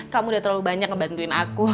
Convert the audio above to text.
kamu udah terlalu banyak ngebantuin aku